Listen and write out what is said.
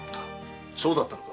そうだったのか。